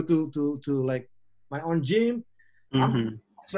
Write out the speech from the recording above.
itulah sebabnya di beberapa foto saya